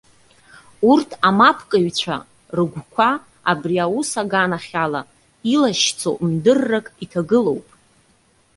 Урҭ амапкыҩцәа рыгәқәа абри аус аганахьала илашьцоу мдыррак иҭагылоуп.